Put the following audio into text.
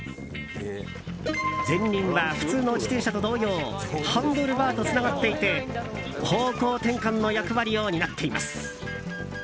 前輪は普通の自転車と同様ハンドルバーとつながっていて方向転換の役割を担っています。